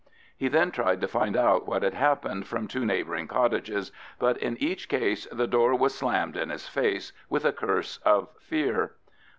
He then tried to find out what had happened from two neighbouring cottages, but in each case the door was slammed in his face with a curse of fear.